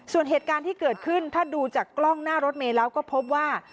ส่วนเหตุการณ์ที่เกิดขึ้นถ้าดูจากกล้องหน้ารถเมย์แล้วก็พบว่า